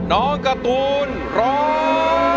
น้องการ์ตูนร้อง